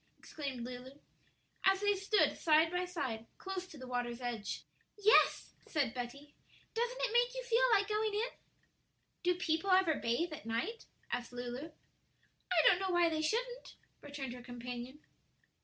exclaimed Lulu, as they stood side by side close to the water's edge. "Yes," said Betty; "doesn't it make you feel like going in?" "Do people ever bathe at night?" asked Lulu. "I don't know why they shouldn't," returned her companion.